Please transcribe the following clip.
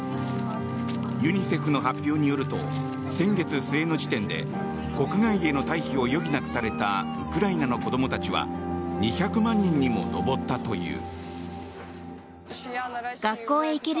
ユニセフの発表によると先月末の時点で国外への退避を余儀なくされたウクライナの子供たちは２００万人にも上ったという。